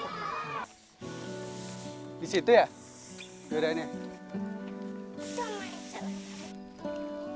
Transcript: dua bocah ini memang bukan berasal dari keluarga kaya